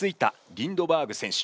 リンドバーグ選手。